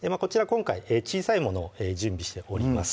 今回小さいものを準備しております